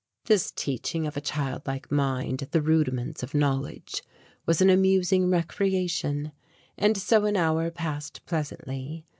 This teaching of a child like mind the rudiments of knowledge was an amusing recreation, and so an hour passed pleasantly.